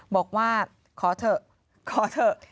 บอกว่าขอเถอะขอเถอะ